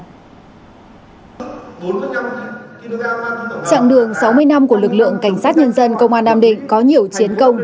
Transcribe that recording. chặng đường sáu mươi năm của lực lượng cảnh sát nhân dân công an nam định có nhiều chiến công